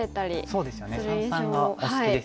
そうですよね三々がお好きですよね。